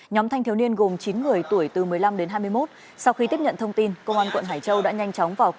nhóm thanh thiếu niên gồm chín người tuổi từ một mươi năm đến hai mươi một